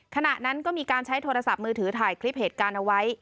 ขณะนั้นก็มีการใช้โทรศัพท์มือถือถ่ายคลิปเหตุการณ์เอาไว้